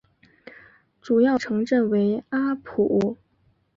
主要城镇为阿普。